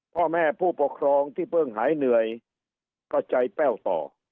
พ่อแม่ผู้ปกครองที่เพิ่งหายเหนื่อยก็ใจแป้วต่อ